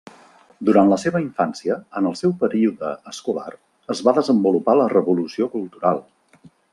Durant la seva infància, en el seu període escolar, es va desenvolupar la Revolució Cultural.